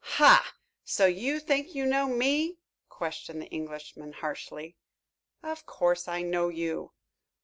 "Ha! So you think you know me?" questioned the Englishman harshly. "Of course, I know you."